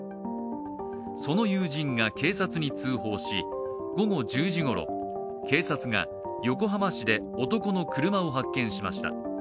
その友人が警察に通報し、午後１０時ごろ、警察が横浜市で男の車を発見しました。